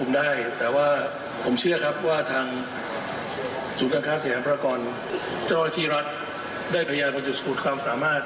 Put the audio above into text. ได้พยายามอย่างสุดความสามารถ